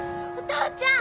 父ちゃん！